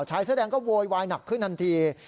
ชายเสื้อแดงก็โวยวายหนักขึ้นทันที